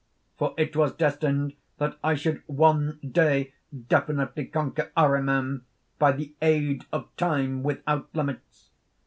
"For it was destined that I should one day definitely conquer Ahriman, by the aid of Time without limits.